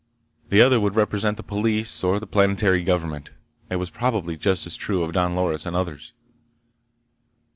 The other would represent the police or the planetary government. It was probably just as true of Don Loris and others.